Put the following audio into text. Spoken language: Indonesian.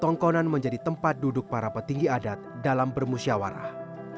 tongkonan menjadi tempat duduk para petinggi adat dalam bermusyawarah